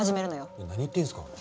いや何言ってんすか。